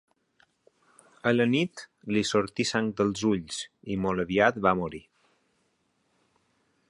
A la nit, li sortí sang dels ulls, i molt aviat va morir.